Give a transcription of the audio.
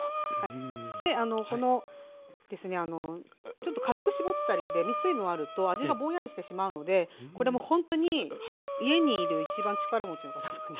このですねちょっと軽く絞ったりで水分あると味がぼんやりしてしまうのでこれもほんとに家にいる一番力持ちの方とかね。